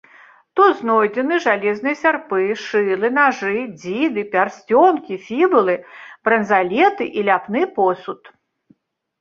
Тут знойдзены жалезныя сярпы, шылы, нажы, дзіды, пярсцёнкі, фібулы, бранзалеты і ляпны посуд.